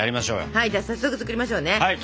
はいじゃ早速作りましょうね。